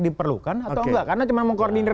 diperlukan atau enggak karena cuma mau koordinir